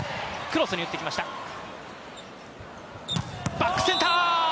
バックセンター！